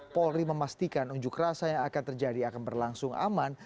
polri memastikan unjuk rasa yang akan terjadi akan berlangsung aman